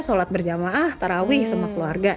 sholat berjamaah tarawih sama keluarga